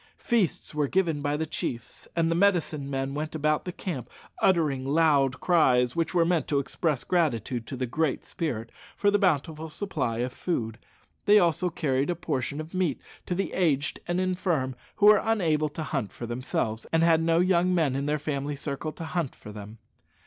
Feasts were given by the chiefs, and the medicine men went about the camp uttering loud cries, which were meant to express gratitude to the Great Spirit for the bountiful supply of food. They also carried a portion of meat to the aged and infirm who were unable to hunt for themselves, and had no young men in their family circle to hunt for them.